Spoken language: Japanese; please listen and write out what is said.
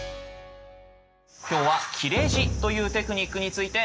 今日は「切れ字」というテクニックについて学んでまいります。